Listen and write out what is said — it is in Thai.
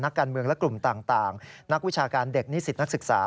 นักการเมืองและกลุ่มต่างนักวิชาการเด็กนิสิตนักศึกษา